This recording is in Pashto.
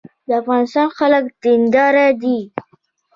د افغانستان خلک دیندار دي